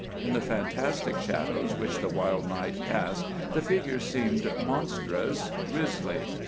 In the fantastic shadows which the wild night cast the figure seemed monstrous, grisly.